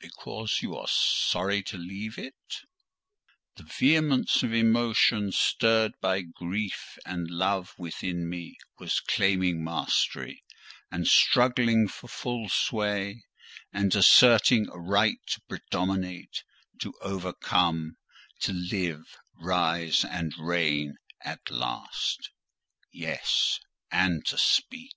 "Because you are sorry to leave it?" The vehemence of emotion, stirred by grief and love within me, was claiming mastery, and struggling for full sway, and asserting a right to predominate, to overcome, to live, rise, and reign at last: yes,—and to speak.